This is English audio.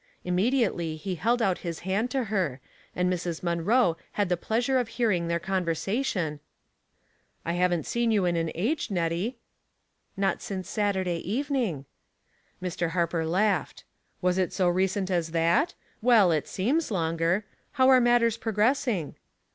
Imme diately he held out his hand to her, and Mrs. Munroe had the pleasure of hearing their conver sation : "I haven't seen you in an age, Nettie." "Not since Saturday evening." Mr. Harper laughed. "Was it so recent as that? Well, it seems longer. How are matters progressing